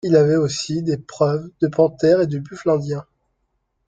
Il y avait aussi des preuves de panthère et de buffle indien.